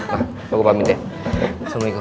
mbak aku pamit ya assalamualaikum